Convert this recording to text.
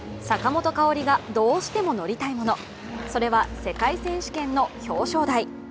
坂本花織がどうしても乗りたいもの、それは世界選手権の表彰台。